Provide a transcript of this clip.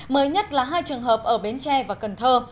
mới nhất là hai trường hợp ở bến tre và cần thơ